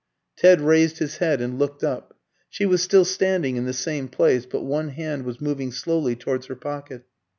Ted raised his head and looked up. She was still standing in the same place, but one hand was moving slowly towards her pocket.